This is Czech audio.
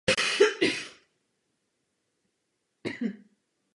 Řeholníci byli internováni v koncentračních táborech.